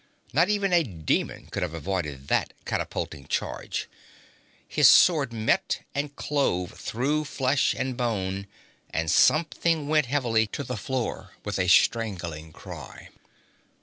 Not even a demon could have avoided that catapulting charge. His sword met and clove through flesh and bone, and something went heavily to the floor with a strangling cry.